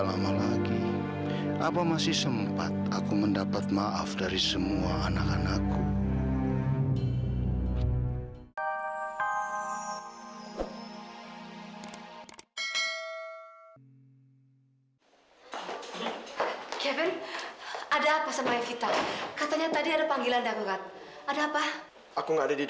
sampai jumpa di video selanjutnya